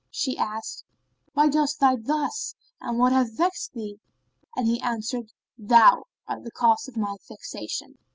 She asked, "Why dost thou thus? and what hath vexed thee?"; and he answered, "Thou art the cause of my vexation."